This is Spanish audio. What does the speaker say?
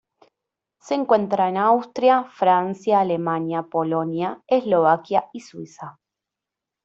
Se encuentra en Austria, Francia, Alemania, Polonia, Eslovaquia y Suiza.